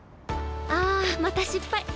あまた失敗！